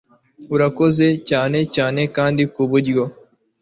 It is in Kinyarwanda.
urakoze cyane cyane kandi kuburyo